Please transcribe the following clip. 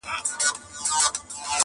پسرلي په شپه کي راسي لکه خوب هسي تیریږي؛